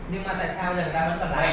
nhưng mà tại sao người ta vẫn còn lại